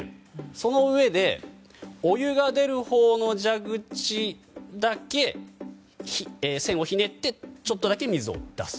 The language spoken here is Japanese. そのうえでお湯が出るほうの蛇口だけ栓をひねってちょっとだけ水を出す。